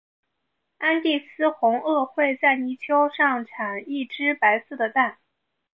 安第斯红鹳会在泥丘上产一只白色的蛋。